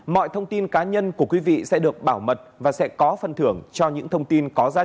mọi thông tin cá nhân của quý vị sẽ được bảo mật và sẽ có phần thưởng cho những thông tin có giá trị